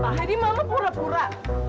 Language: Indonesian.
mahani mama pura pura